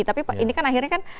tapi ini kan akhirnya kan